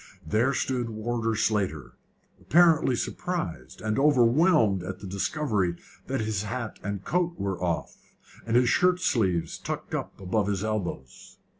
There stood Warder Slater, apparently surprised and overwhelmed at the discovery that his hat and coat were off, and his shirtsleeves tucked up above his elbows.